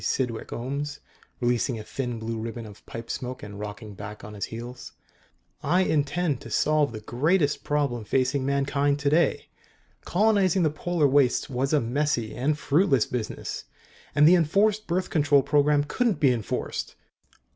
Cydwick Ohms, releasing a thin blue ribbon of pipe smoke and rocking back on his heels, " I intend to solve the greatest problem facing mankind today. Colonizing the Polar Wastes was a messy and fruitless business. And the Enforced Birth Control Program couldn't be enforced.